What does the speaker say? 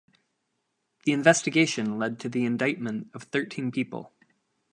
The investigation led to the indictment of thirteen people.